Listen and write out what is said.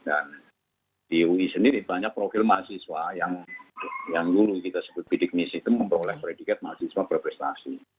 dan di ui sendiri banyak profil mahasiswa yang lalu kita sebut bidik misi itu memperoleh predikat mahasiswa berprestasi